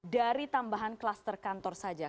dari tambahan kluster kantor saja